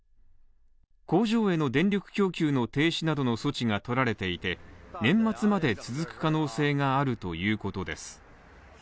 工場への電力供給の停止などの措置が取られていて、年末まで続く可能性があるということです。